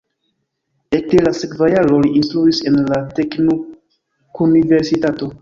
Ekde la sekva jaro li instruis en la teknikuniversitato.